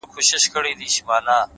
چا ويل ډېره سوخي كوي-